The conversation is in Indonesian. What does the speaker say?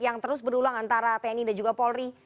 yang terus berulang antara tni dan juga polri